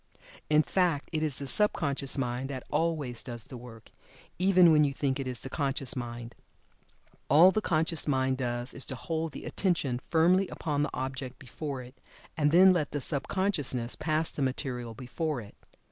In fact, it is the sub conscious mind that always does the work, even when you think it is the conscious mind. All the conscious mind does is to hold the attention firmly upon the object before it, and then let the sub consciousness pass the material before it.